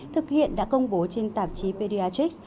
thực hiện đã công bố trên tạp chí pediatrics